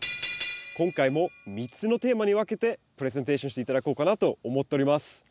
今回も３つのテーマに分けてプレゼンテーションして頂こうかなと思っております。